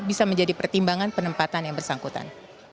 bisa menjadi pertimbangan penempatan yang bersangkutan